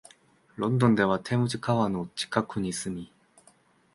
ロンドンではテームズ川の近くに住み、